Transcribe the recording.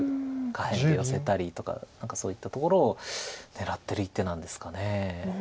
下辺でヨセたりとか何かそういったところを狙ってる一手なんですか。